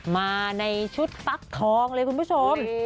มาในชุดฟักทองเลยคุณผู้ชม